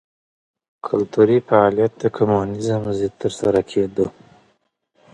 کلتوري فعالیت د کمونېزم ضد ترسره کېده.